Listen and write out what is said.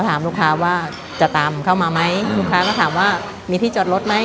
ถามลูกค้าว่าจะตามเข้ามาไหมลูกค้าก็ถามว่ามีที่จอดรถไหม